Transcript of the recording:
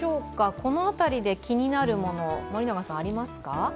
この辺りで気になるもの、森永さんありますか？